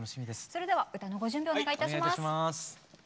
それでは歌のご準備をお願いいたします。